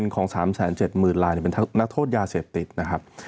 ของ๓๗๐๐๐ลายเป็นนักโทษยาเสพติดนะครับ